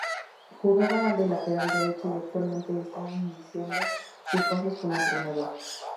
Jugaba de lateral derecho y actualmente está iniciando sus pasos como entrenador.